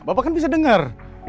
bapak kan bisa dengar